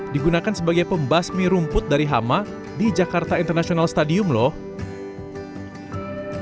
digunakan sebagai pembasmi rumput dari hama di jakarta international stadium lho